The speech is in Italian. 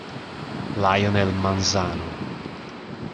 Leonel Manzano